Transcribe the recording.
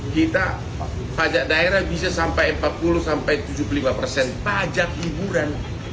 kita pajak daerah bisa sampai empat puluh sampai tujuh puluh lima persen pajak hiburan